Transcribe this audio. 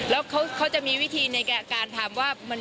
แล้วเขาจะมีวิธีในการถามว่า